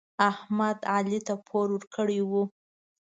احمد علي ته پور ورکړی و.